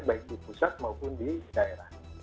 baik di pusat maupun di daerah